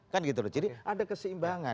kan gitu loh jadi ada keseimbangan